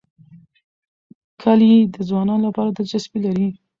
کلي د ځوانانو لپاره ډېره دلچسپي لري.